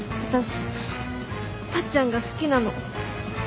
私タッちゃんが好きなの。